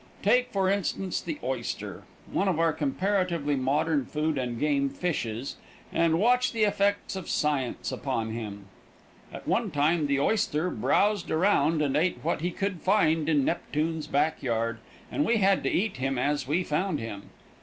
Take, for instance, the oyster, one of our comparatively modern food and game fishes, and watch the effects of science upon him. At one time the oyster browsed around and ate what he could find in Neptune's back yard, and we had to eat him as we found him.